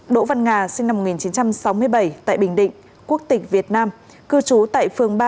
đỗ văn nga sinh năm một nghìn chín trăm sáu mươi bảy tại bình định quốc tịch việt nam cư trú tại phường ba